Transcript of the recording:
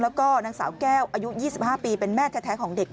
แล้วก็นางสาวแก้วอายุ๒๕ปีเป็นแม่แท้ของเด็ก